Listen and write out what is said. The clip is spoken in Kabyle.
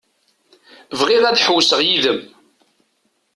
Bɣiɣ ad ḥewwseɣ yid-m.